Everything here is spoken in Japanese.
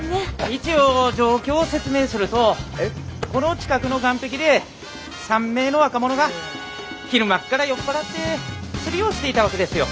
一応状況を説明するとこの近くの岸壁で３名の若者が昼間から酔っ払って釣りをしていたわけですよ。